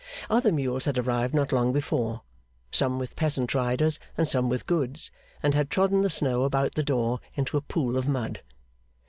Other mules had arrived not long before, some with peasant riders and some with goods, and had trodden the snow about the door into a pool of mud.